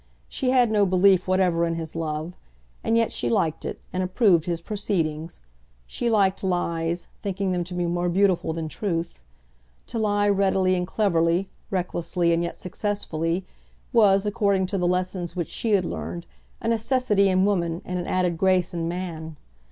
She had no belief whatever in his love; and yet she liked it, and approved his proceedings. She liked lies, thinking them to be more beautiful than truth. To lie readily and cleverly, recklessly and yet successfully, was, according to the lessons which she had learned, a necessity in woman and an added grace in man.